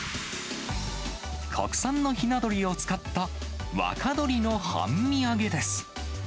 国産のひな鶏を使った若鳥の半身揚げです。